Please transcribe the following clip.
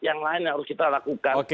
yang lain yang harus kita lakukan